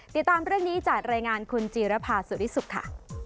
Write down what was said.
ติดตามเรื่องนี้จากรายงานคุณจีรภาสุริสุขค่ะ